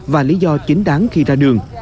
và lý do chính đáng khi ra đường